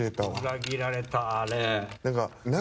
裏切られたあれ。